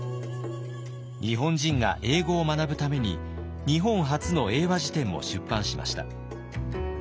日本人が英語を学ぶために日本初の英和辞典も出版しました。